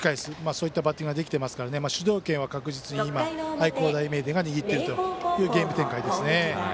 そういったバッティングができていますから主導権は確実に、今愛工大名電が握っているというゲーム展開ですね。